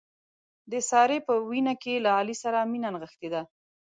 د سارې په وینه کې له علي سره مینه نغښتې ده.